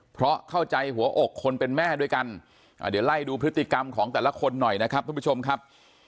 เพราะเข้าใจหัวอกคนเป็นแม่ด้วยกันเดี๋ยวไล่ดูพฤติกรรมของแต่ละคนหน่อยนะครับทุกผู้ชมครับ